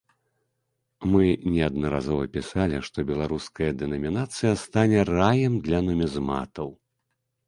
Мы неаднаразова пісалі, што беларуская дэнамінацыя стане раем для нумізматаў.